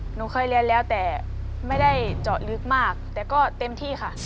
หนูเคยเรียนแล้วแต่ไม่ได้เจาะลึกมากแต่ก็เต็มที่ค่ะ